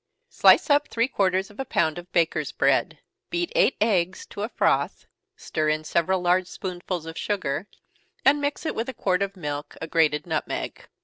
_ Slice up three quarters of a pound of bakers' bread. Beat eight eggs to a froth, stir in several large spoonsful of sugar, and mix it with a quart of milk, a grated nutmeg.